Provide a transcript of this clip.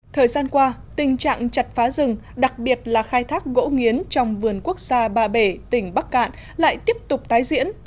thời gian qua tình trạng chặt phá rừng đặc biệt là khai thác gỗ nghiến trong vườn quốc gia ba bể tỉnh bắc cạn lại tiếp tục tái diễn